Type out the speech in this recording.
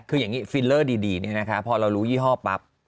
คืออย่างนี้ฟิลเลอร์ดีพอเรารู้ยี่ห้อปั๊บ